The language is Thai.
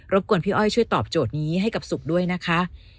กวนพี่อ้อยช่วยตอบโจทย์นี้ให้กับสุขด้วยนะคะ